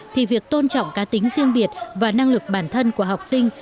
thì việc tôn trọng cá tính riêng biệt và năng lực bản thân của học sinh